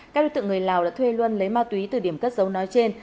các đối tượng người lào đã thuê luân lấy ma túy từ điểm cất dấu nói trên